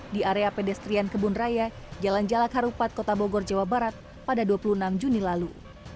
di area pedestrian kebun raya jalan jalak harupat kota bogor jawa barat pada dua puluh enam juni lalu